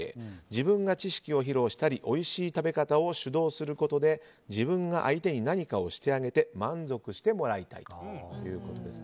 自分が知識を披露したりおいしい食べ方を主導することで自分が相手に何かをしてあげて満足してもらいたいということです。